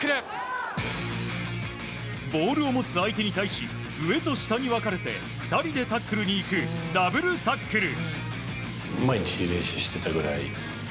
ボールを持つ相手に対し上と下に分かれて２人でタックルに行くダブルタックル。